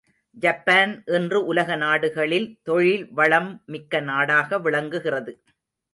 Japan இன்று உலக நாடுகளில் தொழில் வளம் மிக்க நாடாக விளங்குகிறது.